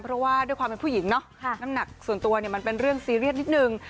เพราะว่าด้วยความเป็นผู้หญิงเนาะน้ำหนักส่วนตัวเนี่ยมันเป็นเรื่องซีเรียสนิดนึง